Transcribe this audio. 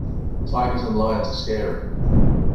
Tigers and lions are scary.